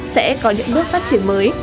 sẽ có những bước phát triển mới